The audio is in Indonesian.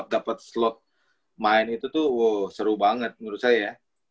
buat dapet slot main itu tuh wow seru banget menurut saya